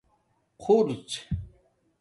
خُرڎ